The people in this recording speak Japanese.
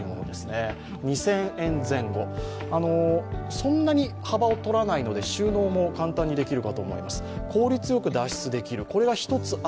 そんなに幅をとらないので、収納も簡単にできるかと思います。